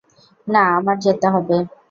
না, আমার যেতে হবে।